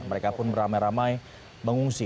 mereka pun beramai ramai mengungsi